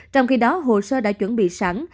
trong khi đó hồ sơ đã chuẩn bị sẵn